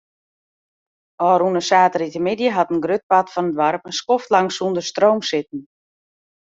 Ofrûne saterdeitemiddei hat in grut part fan it doarp in skoftlang sûnder stroom sitten.